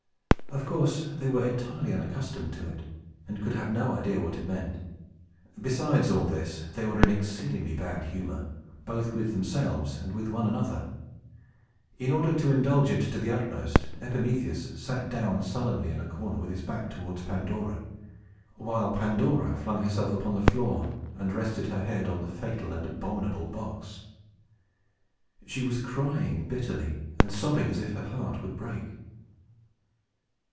Of course, they were entirely unaccustomed to it, and could have no idea what it meant. Besides all this, they were in exceedingly bad humor, both with themselves and with one another. In order to indulge it to the utmost, Epimetheus sat down sullenly in a corner with his back towards Pandora; while Pandora flung herself upon the floor and rested her head on the fatal and abominable box. She was crying bitterly, and sobbing as if her heart would break.